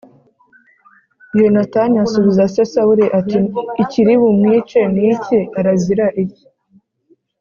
Yonatani asubiza se Sawuli ati “Ikiri bumwicishe ni iki? Arazira iki?”